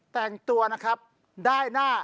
แต่งตัวนะครับได้หน้า